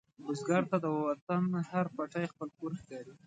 بزګر ته د وطن هر پټی خپل کور ښکاري